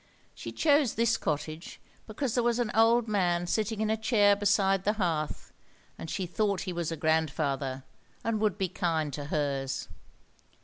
She chose this cottage because there was an old man sitting in a chair beside the hearth, and she thought he was a grandfather, and would be kind to hers.